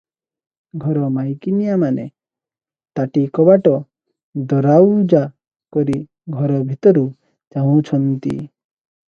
ଘର ମାଇକିନିଆମାନେ ତାଟି କବାଟ ଦରଆଉଜା କରି ଘର ଭିତରୁ ଚାହିଁଛନ୍ତି ।